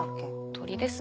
鳥ですね。